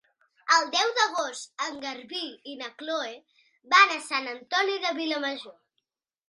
El deu d'agost en Garbí i na Chloé van a Sant Antoni de Vilamajor.